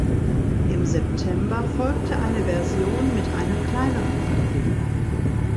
Im September folgte eine Version mit einem kleineren Akku.